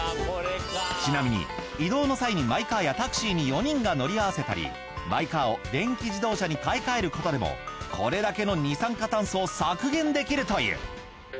ちなみに移動の際にマイカーやタクシーに４人が乗り合わせたりマイカーを電気自動車に買い替えることでもこれだけの二酸化炭素を削減できるという。